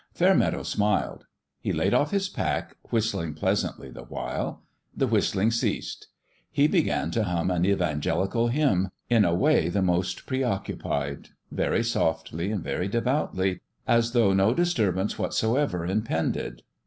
Fairmeadow smiled. He laid off his pack, whistling pleasantly the while. The whistling ceased. He began to hum an evan gelical hymn in a way the most preoccupied very softly and very devoutly as though no disturbance whatsoever impended.